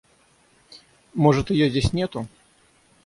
Может, её здесь нету?